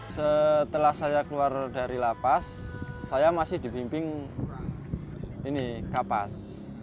setelah saya keluar dari lapas saya masih dibimbing ini kapas